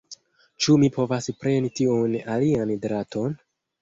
Ĉu mi povas preni tiun alian draton?